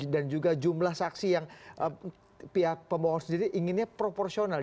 dan juga jumlah saksi yang pihak pemohon sendiri inginnya proporsional